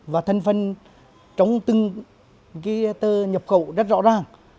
và thân phân trong từng cái tờ nhập khẩu rất rõ ràng